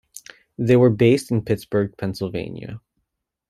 They were based in Pittsburgh, Pennsylvania.